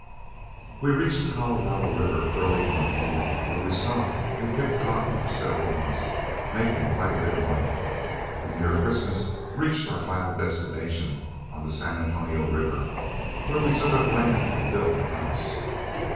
We reached the Colorado River early in the fall, where we stopped and picked cotton for several months, making quite a bit of money, and near Christmas reached our final destination on the San Antonio River, where we took up land and built a house.